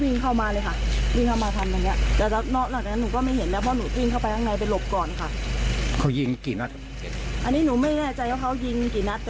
เนี่ยตี๔ตี๕มากันอีกรอบหนึ่ง